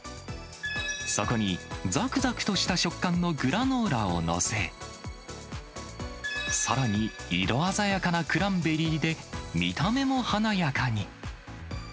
そこに、ざくざくとした食感のグラノーラを載せ、さらに、色鮮やかなクランベリーで見た目も華やかに。